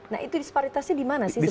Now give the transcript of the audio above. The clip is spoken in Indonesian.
nah itu disparitasnya di mana sih